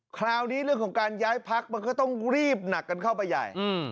คราวนี้เรื่องของการย้ายพักมันก็ต้องรีบหนักกันเข้าไปใหญ่